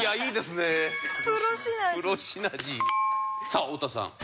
さあ太田さん。